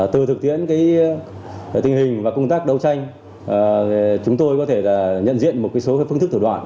từ thực tiễn tình hình và công tác đấu tranh chúng tôi có thể nhận diện một số phương thức thủ đoạn